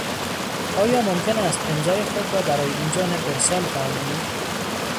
آیا ممکن است امضای خود را برای اینجانب ارسال فرمایید؟